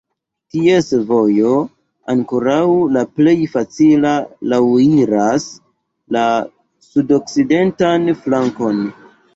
Ties vojo, ankoraŭ la plej facila, laŭiras la sudokcidentan flankon.